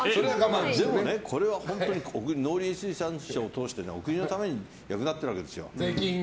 でもね、これは本当に農林水産省を通してお国のために役立っているわけですよ。